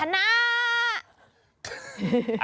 ชนะ